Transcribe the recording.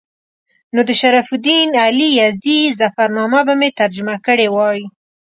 نو د شرف الدین علي یزدي ظفرنامه به مې ترجمه کړې وای.